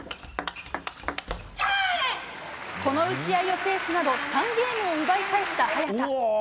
この打ち合いを制すなど３ゲームを奪い返した早田。